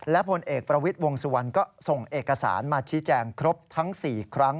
และผลเอกประวิทย์วงสุวรรณก็ส่งเอกสารมาชี้แจงครบทั้ง๔ครั้ง